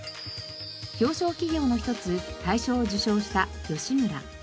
表彰企業の一つ大賞を受賞した吉村。